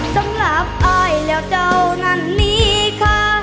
สำหรับอายแล้วเจ้านั้นมีค่า